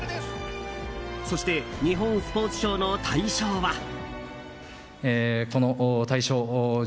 そして日本スポーツ賞の大賞は。